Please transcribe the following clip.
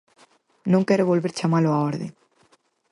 Non quero volver chamalo á orde.